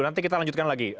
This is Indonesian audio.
nanti kita lanjutkan lagi